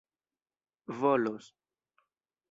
volos